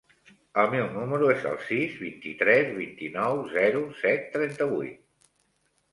El meu número es el sis, vint-i-tres, vint-i-nou, zero, set, trenta-vuit.